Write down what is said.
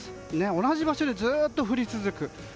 同じ場所でずっと降り続く。